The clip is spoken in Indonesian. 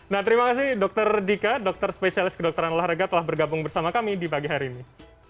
nah terima kasih dokter dika dokter spesialis kedokteran olahraga telah bergabung bersama kami di pagi hari ini